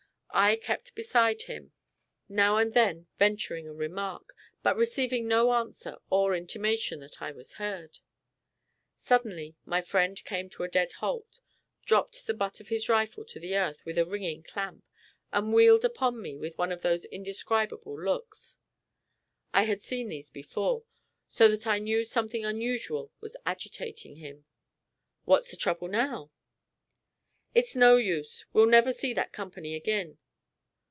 I kept beside him, now and then venturing a remark, but receiving no answer or intimation that I was heard. Suddenly, my friend came to a dead halt, dropped the butt of his rifle to the earth with a ringing clamp, and wheeled upon me with one of those indescribable looks. I had seen these before, so that I knew something unusual was agitating him. "What's the trouble now?" "It's no use; we'll never see that company agin."